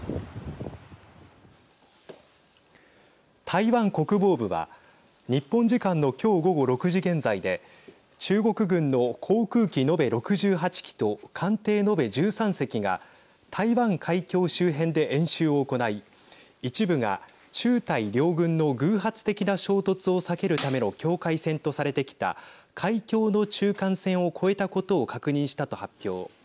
台湾国防部は日本時間の今日午後６時現在で中国軍の航空機延べ６８機と艦艇、延べ１３隻が台湾海峡周辺で演習を行い一部が中台両軍の偶発的な衝突を避けるための境界線とされてきた海峡の中間線を越えたことを確認したと発表。